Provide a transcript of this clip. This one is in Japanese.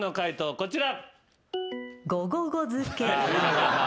こちら。